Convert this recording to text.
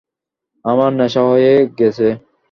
আমার নেশা হয়ে গেছে।